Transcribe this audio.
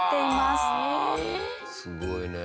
すごいね。